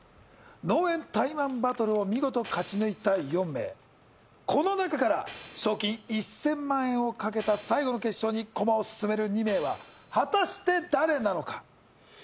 農園タイマンバトルを見事勝ち抜いた４名この中から賞金１０００万円を懸けた最後の決勝にコマを進める２名は果たして誰なのか？